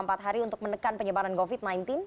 empat hari untuk menekan penyebaran covid sembilan belas